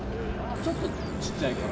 ちょっとちっちゃいかな。